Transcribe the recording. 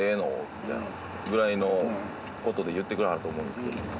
みたいなぐらいの事で言ってくれはると思うんですけど。